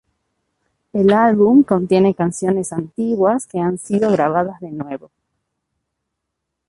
El álbum contiene canciones antiguas que han sido grabadas de nuevo.